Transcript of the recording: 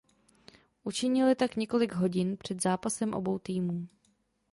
Učinili tak několik hodin před zápasem obou týmů.